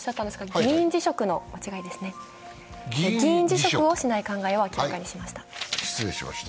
議員辞職をしない考えを明らかにしました。